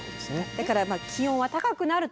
だからまあ気温は高くなるという。